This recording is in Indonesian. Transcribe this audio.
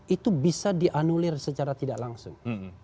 itu bisa dianulir secara tidak langsung